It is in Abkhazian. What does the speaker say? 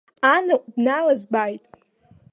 Анаҟә дналызбааит.